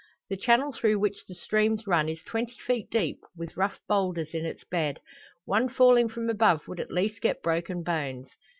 The channel through which the streams runs is twenty feet deep, with rough boulders in its bed. One falling from above would at least get broken bones.